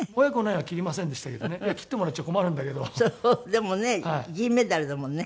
でもね銀メダルだもんね。